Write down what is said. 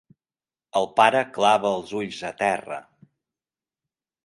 El pare clava els ulls a terra.